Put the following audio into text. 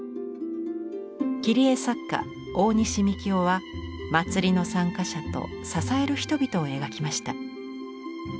切り絵作家大西幹夫は祭りの参加者と支える人々を描きました。